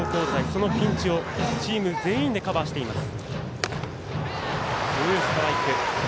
そのピンチをチーム全員でカバーしています。